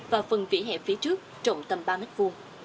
và phần vỉa hẹp phía trước trộn tầm ba m hai